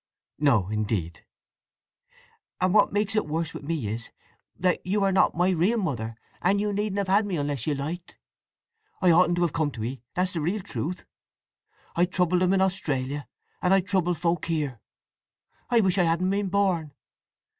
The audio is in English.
"No indeed." "And what makes it worse with me is that you are not my real mother, and you needn't have had me unless you liked. I oughtn't to have come to 'ee—that's the real truth! I troubled 'em in Australia, and I trouble folk here. I wish I hadn't been born!"